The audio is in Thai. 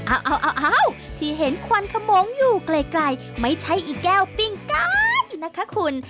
เอาที่เห็นควันขมงอยู่ไกลไม่ใช่อีแก้วปิ้งการอยู่นะคะคุณ